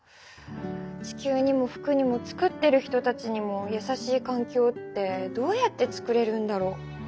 地球にも服にも作ってる人たちにもやさしい環境ってどうやって作れるんだろう？